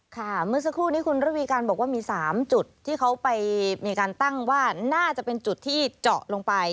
เมื่อสักครู่นี้คุณระวีการบอกว่ามี๓จุดที่เขาไปมีการตั้งว่าน่าจะเป็นจุดที่เจาะลงไป